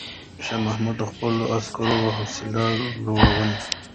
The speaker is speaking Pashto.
شاه محمود د خپلو عسکرو حوصله لوړوي.